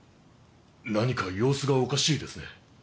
何か様子がおかしいですね。